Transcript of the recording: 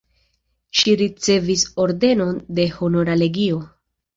Ŝi ricevis ordenon de Honora legio.